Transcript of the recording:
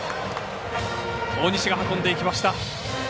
大西が運んでいきました。